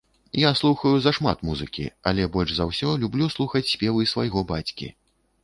Я слухаю зашмат музыкі, але больш за ўсё люблю слухаць спевы свайго бацькі.